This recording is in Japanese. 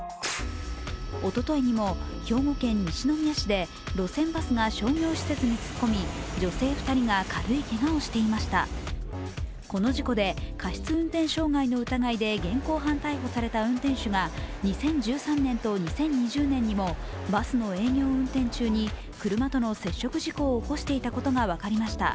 おとといにも、兵庫県西宮市で路線バスが商業施設に突っ込み女性２人が軽いけがをしていましたこの事故で、過失運転傷害の疑いで現行犯逮捕された運転手が２０１３年と２０２０年にもバスの営業運転中に車との接触事故を起こしていたことが分かりました。